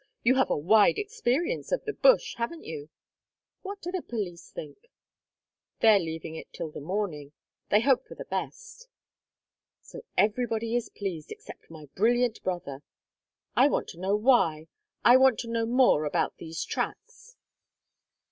You have a wide experience of the bush, haven't you? What do the police think?" "They're leaving it till the morning. They hope for the best." "So everybody is pleased except my brilliant brother! I want to know why I want to know more about these tracks."